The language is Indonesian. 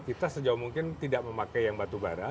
kita sejauh mungkin tidak memakai yang batubara